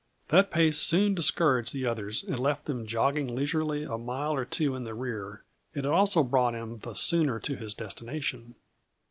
That pace soon discouraged the others and left them jogging leisurely a mile or two in the rear, and it also brought him the sooner to his destination.